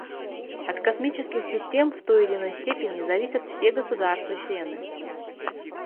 От космических систем в той или иной степени зависят все государства-члены.